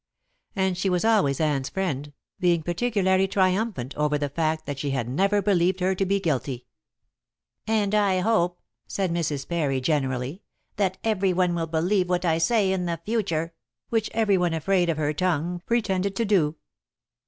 And she was always Anne's friend, being particularly triumphant over the fact that she had never believed her to be guilty. "And I hope," said Mrs. Parry generally, "that every one will believe what I say in the future;" which every one afraid of her tongue pretended to do.